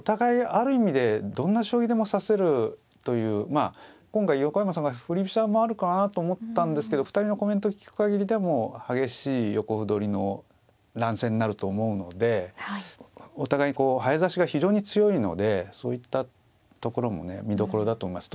まあ今回横山さんが振り飛車もあるかなと思ったんですけど２人のコメント聞く限りではもう激しい横歩取りの乱戦になると思うのでお互い早指しが非常に強いのでそういったところもね見どころだと思います。